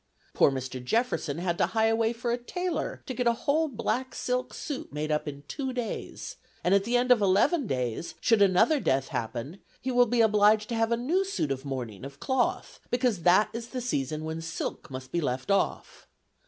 Poor Mr. Jefferson had to hie away for a tailor to get a whole black silk suit made up in two days; and at the end of eleven days, should another death happen, he will be obliged to have a new suit of mourning, of cloth, because that is the season when silk must be left off.